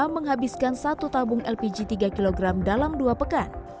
menghabiskan satu tabung lpg tiga kg dalam dua pekan